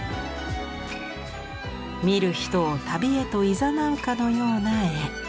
見る人を旅へと誘うかのような絵。